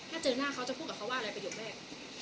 ถ้าเจอหน้าเขาจะพูดกับเขาว่าอะไรประโยคแรก